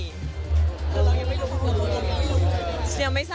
แล้วเรายังไม่รู้ว่าจะมีหรือเปล่าค่ะ